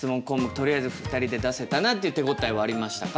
とりあえず２人で出せたなっていう手応えはありましたか？